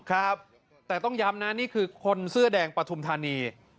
ครับแต่ต้องย้ำนะนี่คือคนเสื้อแดงปฐุมธานี